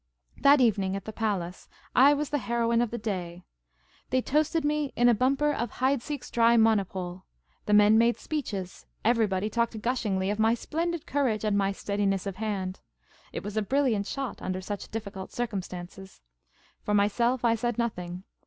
That evening, at the palace, I was the heroine of the day. They toasted me in a bumper of Heidsieck's dry monopole. The Ma^niificcnt Maharajah 261 The men made speeches. Everybody talked gushingly of my splendid courage and my steadiness of hand. It was a brilliant shot, under such difficult circumstances. For my self, I said nothing.